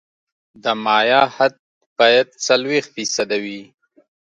د مایع حد باید څلوېښت فیصده وي